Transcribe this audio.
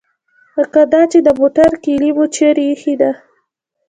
لکه دا چې د موټر کیلي مو چیرې ایښې ده.